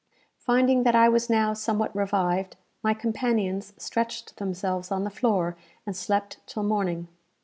Finding that I was now somewhat revived, my companions stretched themselves on the floor, and slept till morning.